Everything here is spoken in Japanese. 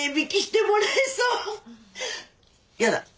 やだ。